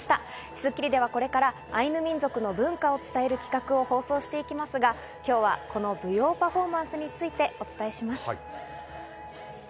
『スッキリ』ではこれからアイヌ民族の文化を伝える企画を放送していきますが、今日はこの舞踊パフォーマンスについてお伝えします。